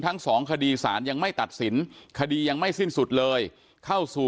ทั้งสองคดีศาลยังไม่ตัดสินคดียังไม่สิ้นสุดเลยเข้าสู่